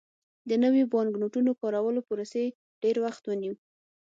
د نویو بانکنوټونو کارولو پروسې ډېر وخت ونیو.